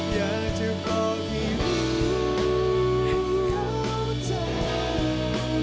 อยากจะบอกให้รู้ให้เข้าใจ